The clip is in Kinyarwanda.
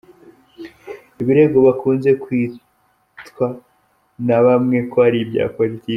Ibirego byakunze kwitwa na bamwe ko ari ibya politiki.